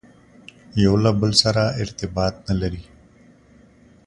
یو له بل سره ارتباط نه لري.